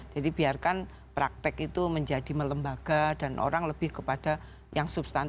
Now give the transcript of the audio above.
biarkan praktek itu menjadi melembaga dan orang lebih kepada yang substantif